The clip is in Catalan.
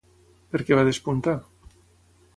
Per què va despuntar?